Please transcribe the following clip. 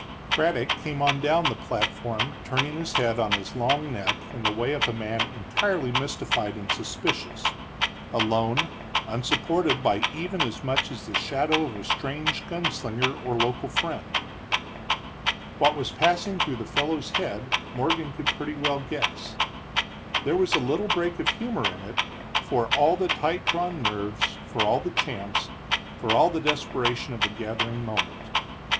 Craddock came on down the platform, turning his head on his long neck in the way of a man entirely mystified and suspicious, alone, unsupported by even as much as the shadow of a strange gun slinger or local friend. What was passing through the fellow's head Morgan could pretty well guess. There was a little break of humor in it, for all the tight drawn nerves, for all the chance, for all the desperation of the gathering moment.